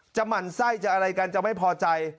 หมั่นไส้จะอะไรกันจะไม่พอใจ